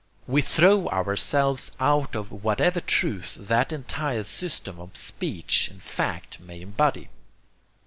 We throw ourselves out of whatever truth that entire system of speech and fact may embody.